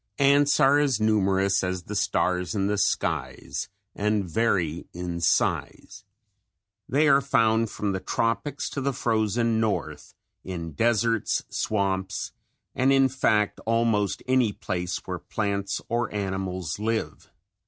Ants are as numerous as the stars in the skies and vary in size. They are found from the tropics to the frozen north, in deserts, swamps and in fact, almost any place where plants or animals live.